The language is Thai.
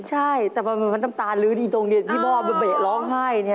ใช่แต่มันมาที่ตามตานรื้อดีตรงนี้ที่พ่อเบ๊ะร้องไห้เนี่ย